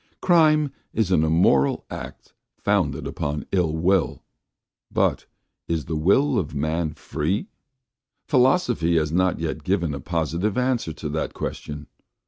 Crime is an immoral act founded upon ill will. But is the will of man free? Philosophy has not yet given a positive answer to that question.